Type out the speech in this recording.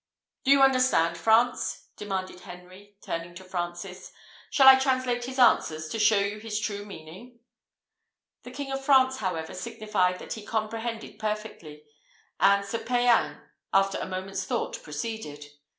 "Do you understand, France?" demanded Henry, turning to Francis: "shall I translate his answers, to show you his true meaning?" The King of France, however, signified that he comprehended perfectly; and Sir Payan, after a moment's thought, proceeded.